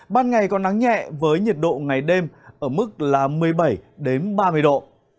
ban ngày còn nắng nhẹ với nhiệt độ ngày đêm ở mức một mươi bảy ba mươi độ